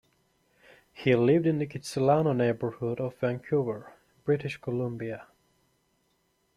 He lived in the Kitsilano neighborhood of Vancouver, British Columbia.